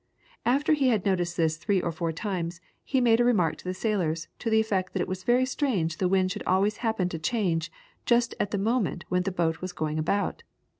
After he had noticed this three or four times he made a remark to the sailors to the effect that it was very strange the wind should always happen to change just at the moment when the boat was going about.